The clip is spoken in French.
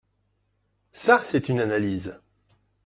Ça, c’est une analyse